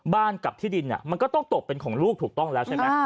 กับที่ดินมันก็ต้องตกเป็นของลูกถูกต้องแล้วใช่ไหม